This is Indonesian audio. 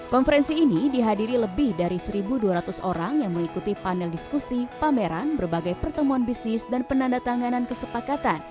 konferensi ini dihadiri lebih dari satu dua ratus orang yang mengikuti panel diskusi pameran berbagai pertemuan bisnis dan penanda tanganan kesepakatan